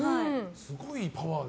すごいパワーで。